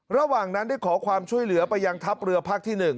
ระหว่างนั้นได้ขอความช่วยเหลือไปยังทัพเรือภาคที่๑